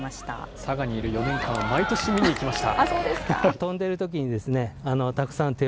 佐賀にいる４年間、毎年見に行きました。